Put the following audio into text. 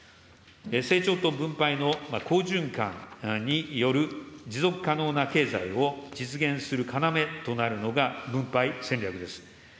成長と分配の好循環による持続可能な経済を実現する要となるのが、分配戦略です。